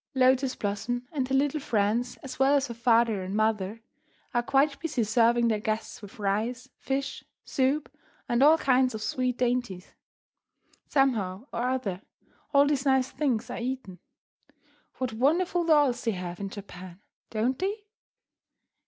Lotus Blossom and her little friends, as well as her father and mother, are quite busy serving their guests with rice, fish, soup, and all kinds of sweet dainties. Somehow or other, all these nice things are eaten. What wonderful dolls they have in Japan, don't they?